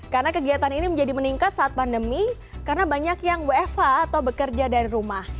karena kegiatan ini menjadi meningkat saat pandemi karena banyak yang wfa atau bekerja dari rumah